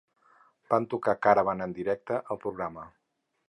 Van tocar Caravan en directe al programa.